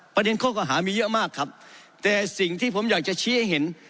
ประเด็นข้อเก่าหามีเยอะมากครับแต่สิ่งที่ผมอยากจะชี้ให้เห็น